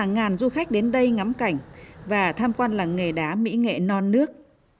hàng ngàn du khách đến đây ngắm cảnh và tham quan làng nghề đá mỹ nghệ non nước